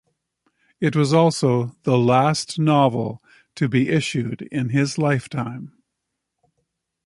It was also the last novel to be issued in his lifetime.